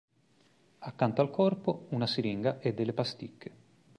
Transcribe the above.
Accanto al corpo, una siringa e delle pasticche.